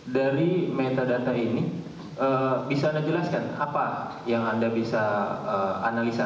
dari metadata ini bisa anda jelaskan apa yang anda bisa analisa